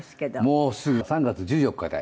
もうすぐ３月１４日で。